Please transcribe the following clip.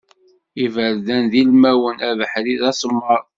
Iberdan d ilmawen, abeḥri d asemmaḍ.